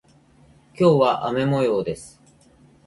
今日は雨模様です。